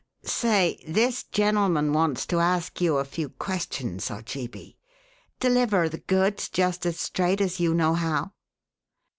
Say, this gentleman wants to ask you a few questions, Ojeebi; deliver the goods just as straight as you know how."